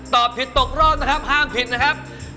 ตอบผิดตกรอบนะครับห้ามผิดนะครับ